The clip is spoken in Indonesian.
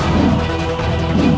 kedai yang menangis